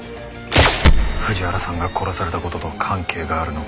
藤原さんが殺された事と関係があるのか。